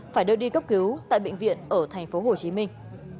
phải đưa đi cấp cứu tại bệnh viện ở thành phố hồ chí minh